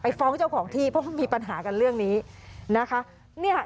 ไปฟ้องเจ้าของที่เพราะมันมีปัญหากันเรื่องนี้นะคะ